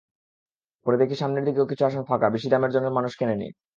পরে দেখি সামনের দিকেও কিছু আসন ফাঁকা, বেশি দামের জন্য মানুষ কেনেনি।